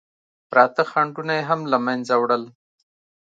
پراته خنډونه یې هم له منځه وړل.